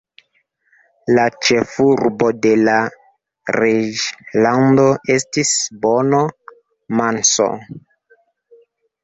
La ĉefurbo de la reĝlando estis Bono-Manso.